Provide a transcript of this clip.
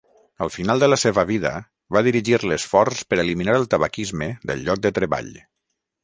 Al final de la seva vida, va dirigir l'esforç per eliminar el tabaquisme del lloc de treball.